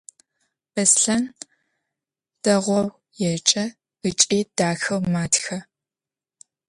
Bêslhen değou yêce ıç'i daxeu matxe.